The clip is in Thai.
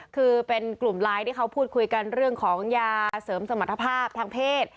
คือเป็นกลุ่มไลน์ที่เขาพูดคุยกันเรื่องของยาเสริมสมรรถภาพทางเพศ